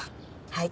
はい。